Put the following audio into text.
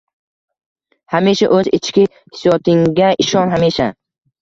Hamisha o‘z ichki hissiyotinnga ishon. Hamisha!